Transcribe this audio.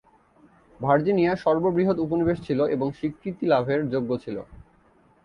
Virginia সর্ববৃহৎ উপনিবেশ ছিল এবং স্বীকৃতি লাভের যোগ্য ছিল।